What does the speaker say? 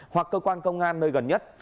hoặc cơ quan công an nơi gần nhất